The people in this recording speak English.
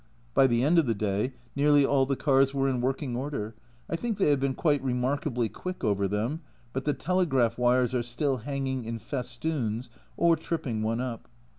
By the end of the day nearly all the cars were in working order ; I think they have been quite remark ably quick over them, but the telegraph wires are still hanging in festoons or tripping one up.